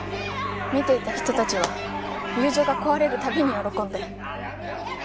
見ていた人たちは友情が壊れる度に喜んで。